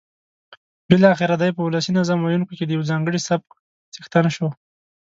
بالاخره دی په ولسي نظم ویونکیو کې د یوه ځانګړي سبک څښتن شو.